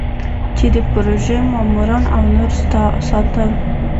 چې د پروژې ماموران او نور ساتل.